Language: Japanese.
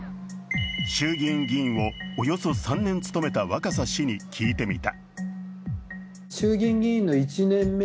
衆議院議員をおよそ３年務めた若狭氏に聞いてみた。